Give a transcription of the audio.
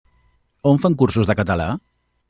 On fan cursos de català?